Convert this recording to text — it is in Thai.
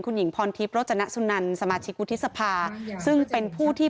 คุณหญิงพรทิพย์โรจนสุนันสมาชิกวุฒิสภาซึ่งเป็นผู้ที่